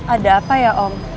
ada apa ya om